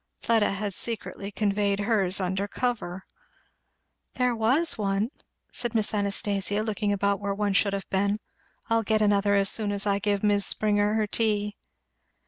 Fleda had secretly conveyed hers under cover. "There was one," said Miss Anastasia, looking about where one should have been, "I'll get another as soon as I give Mis' Springer her tea."